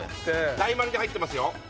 大丸に入ってますよ